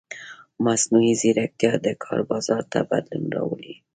مصنوعي ځیرکتیا د کار بازار ته بدلون راولي.